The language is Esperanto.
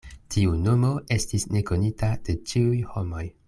Tiu nomo estis nekonita de ĉiuj homoj.